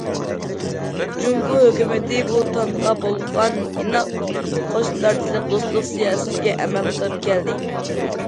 جۇڭگو ھۆكۈمىتى بۇتانغا بولغان ئىناق قوشنىدارچىلىق، دوستلۇق سىياسىتىگە ئەمەل قىلىپ كەلدى.